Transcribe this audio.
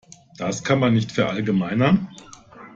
Das kann man nicht verallgemeinern.